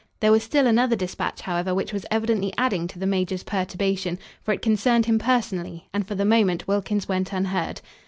There was still another despatch, however, which was evidently adding to the major's perturbation, for it concerned him personally and for the moment Wilkins went unheard.